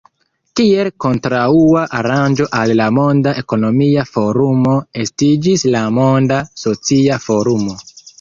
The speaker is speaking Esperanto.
Kiel kontraŭa aranĝo al la Monda Ekonomia Forumo estiĝis la Monda Socia Forumo.